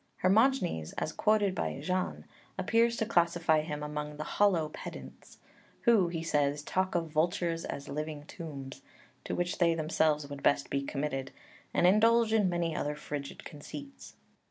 Hermogenes, as quoted by Jahn, appears to classify him among the "hollow pedants" (ὑπόξυλοι σοφισταί), "who," he says, "talk of vultures as 'living tombs,' to which they themselves would best be committed, and indulge in many other such frigid conceits."